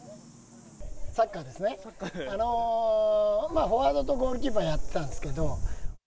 サッカーですね、まあフォワードとゴールキーパーやってたんですけど。